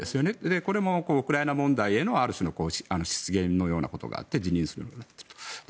これもウクライナ問題へのある種の失言のようなことがあって辞任することになったと。